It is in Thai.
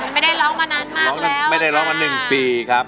ไม่ได้ร้องมานานมากแล้วค่ะ